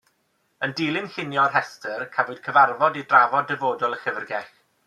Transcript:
Yn dilyn llunio'r rhestr, cafwyd cyfarfod i drafod dyfodol y llyfrgell.